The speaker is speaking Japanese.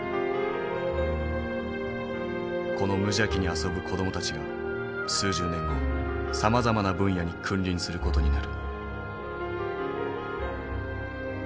この無邪気に遊ぶ子どもたちが数十年後さまざまな分野に君臨する事になる。